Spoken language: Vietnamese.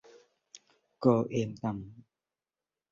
cô yên tâm